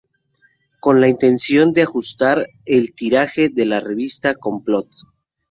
Con la intención de ajustar el tiraje de la revista "Complot!